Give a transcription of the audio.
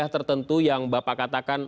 tertentu yang bapak katakan